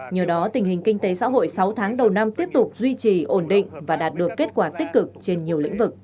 nhờ đó tình hình kinh tế xã hội sáu tháng đầu năm tiếp tục duy trì ổn định và đạt được kết quả tích cực trên nhiều lĩnh vực